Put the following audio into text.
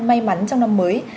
may mắn trong năm mới